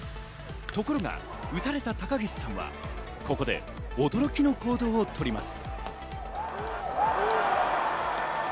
ところが、打たれた高岸さんは、ここで驚きの行動をとります。